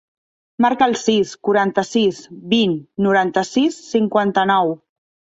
Marca el sis, quaranta-sis, vint, noranta-sis, cinquanta-nou.